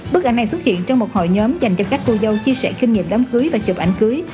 bức ảnh này xuất hiện trong một hội nhóm dành cho các cô dâu chia sẻ kinh nghiệm đám cưới và chụp ảnh cưới